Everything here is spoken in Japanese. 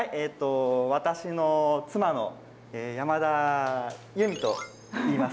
私の妻の山田有美といいます。